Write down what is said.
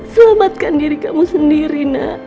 selamatkan diri kamu sendiri nak